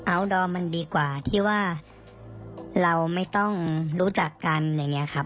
ลดอร์มันดีกว่าที่ว่าเราไม่ต้องรู้จักกันอย่างนี้ครับ